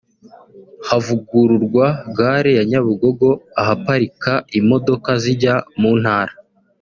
havugururwa gare ya Nyabugogo ahaparika imodoka zijya mu ntara